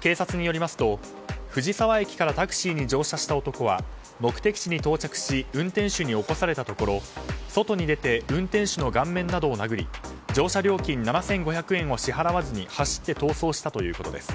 警察によりますと藤沢駅からタクシーに乗車した音っこは目的地に到着し運転手に起こされたところ外に出て運転手の顔面などを殴り乗車料金７５００円を支払わずに走って逃走したということです。